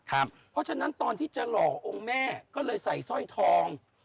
เพราะฉะนั้นตอนที่จะหล่อองค์แม่ก็เลยใส่สร้อยทอง